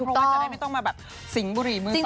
เพราะว่าจะได้ไม่ต้องมาแบบสิงห์บุรีมือสอง